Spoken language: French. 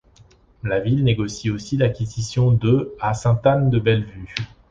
La ville négocie aussi l'acquisition de à Sainte-Anne-de-Bellevue.